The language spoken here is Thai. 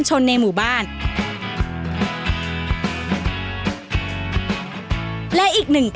อาหารที่สุดในประวัติศาสตร์